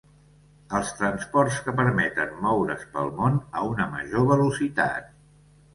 Els transports que permeten moure's pel món a una major velocitat.